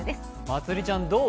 まつりちゃん、どう？